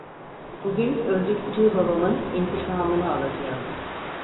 Bugün öldürttüğü babamın intikamını alacağım.